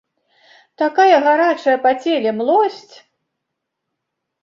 Такая гарачая па целе млосць.